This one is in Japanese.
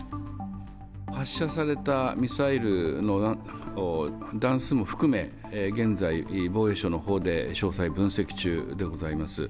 発射されたミサイルの弾数も含め、現在、防衛省のほうで詳細分析中でございます。